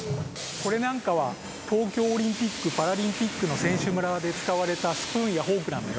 これなんかはとうきょうオリンピックパラリンピックのせんしゅむらでつかわれたスプーンやフォークなんだよ。